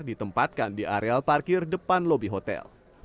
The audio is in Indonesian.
ditempatkan di areal parkir depan lobi hotel